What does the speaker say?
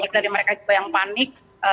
dari mereka juga yang panik